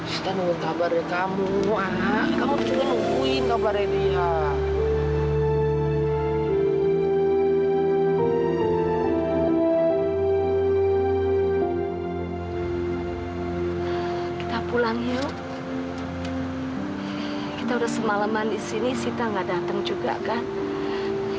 sampai jumpa di video selanjutnya